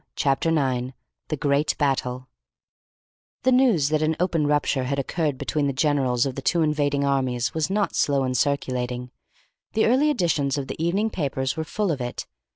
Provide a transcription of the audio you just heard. Chapter 9 THE GREAT BATTLE The news that an open rupture had occurred between the Generals of the two invading armies was not slow in circulating. The early editions of the evening papers were full of it.